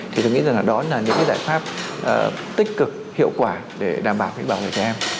thì tôi nghĩ rằng là đó là những giải pháp tích cực hiệu quả để đảm bảo bảo vệ trẻ em